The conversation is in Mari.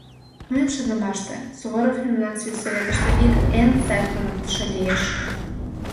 — Мыйын шонымаште, Суворов мемнан сельсоветыште ик эн сай туныктышо лиеш.